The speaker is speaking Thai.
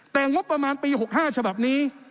แต่งบประมาณปี๖๕ฉบับนี้